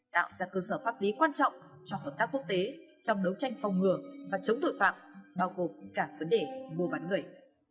tạo ra cơ sở pháp lý quan trọng cho hợp tác quốc tế trong đấu tranh phòng ngừa và chống tội phạm bao gồm cả vấn đề mua bán người